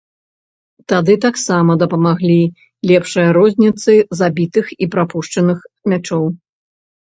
Тады таксама дапамаглі лепшая розніцы забітых і прапушчаных мячоў.